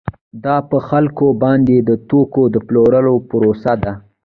دا په خلکو باندې د توکو د پلورلو پروسه ده